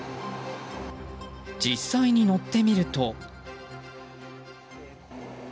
実際に乗ってみると。